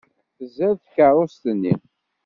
Tzad tkeṛṛust-nni!